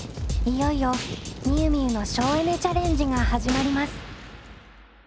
いよいよみゆみゆの省エネ・チャレンジが始まります。